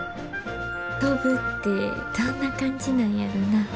飛ぶってどんな感じなんやろな。